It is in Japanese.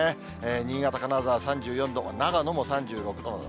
新潟、金沢、３４度、長野も３６度。